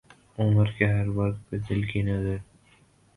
عمر کے ہر ورق پہ دل کی نظر